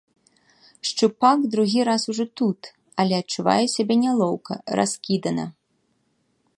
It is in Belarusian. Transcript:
Шчупак другі раз ужо тут, але адчувае сябе нялоўка, раскідана.